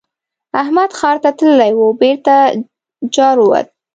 احمد ښار ته تللی وو؛ بېرته جارووت.